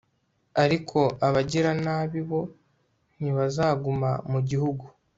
ariko abagiranabi bo, ntibazaguma mu gihugu